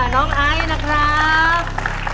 น้องไอซ์นะครับ